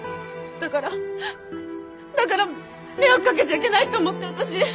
だからだから迷惑かけちゃいけないと思って私